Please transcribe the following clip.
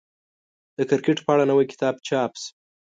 د کرکټ په اړه نوی کتاب چاپ شو.